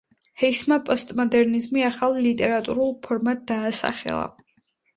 ჰეისმა პოსტმოდერნიზმი ახალ ლიტერატურულ ფორმად დაასახელა.